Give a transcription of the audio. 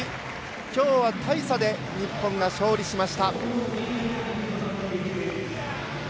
きょうは大差で日本が勝利しました。